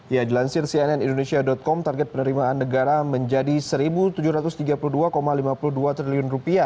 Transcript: ya dilansir cnn indonesia com target penerimaan negara menjadi rp satu tujuh ratus tiga puluh dua lima puluh dua triliun